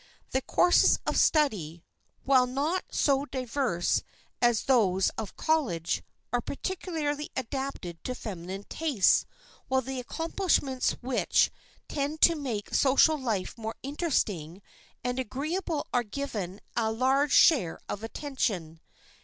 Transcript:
The courses of study, while not so diverse as those of college, are particularly adapted to feminine tastes, while the accomplishments which tend to make social life more interesting and agreeable are given a large share of attention.